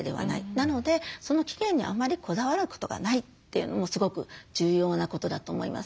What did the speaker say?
なのでその期限にあまりこだわることがないというのもすごく重要なことだと思います。